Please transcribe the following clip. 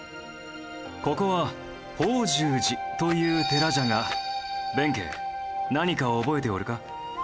ここは法住寺という寺じゃが弁慶何か覚えておるか？